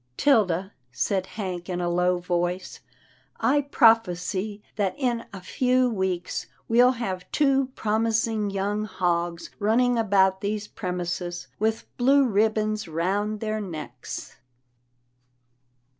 " 'Tilda," said Hank in a low voice, " I prophesy that in a few weeks we'll have two promising young hogs running about these premises, with blue ribbons round their necks."